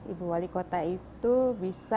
ibu wali kota itu bisa